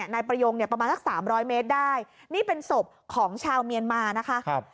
นายประโยงประมาณสัก๓๐๐เมตรได้นี่เป็นศพของชาวเมียนมานะคะ